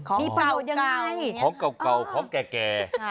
ของเก่าของแก่